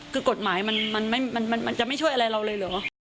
คือกฎหมายมันมันมันมันมันมันจะไม่ช่วยอะไรเราเลยเหรอ